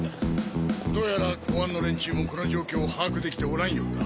どうやら公安の連中もこの状況を把握できておらんようだ。